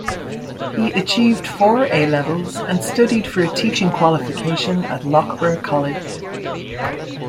He achieved four A levels and studied for a teaching qualification at Loughborough College.